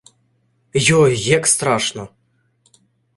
Йой! Як страшно.